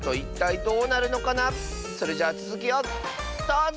それじゃつづきをどうぞ！